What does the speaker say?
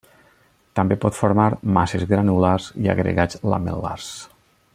També pot formar masses granulars i agregats lamel·lars.